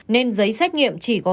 nên giấy xét nghiệm chỉ có